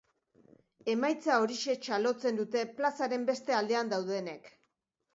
Emaitza horixe txalotzen dute plazaren beste aldean daudenek.